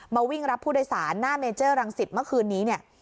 วิ่งรับผู้โดยสารหน้าเมเจอร์รังสิตเมื่อคืนนี้เนี่ย